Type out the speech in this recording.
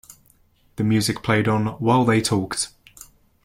The music played on while they talked.